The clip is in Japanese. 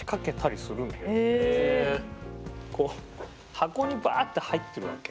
箱にバーって入ってるわけ。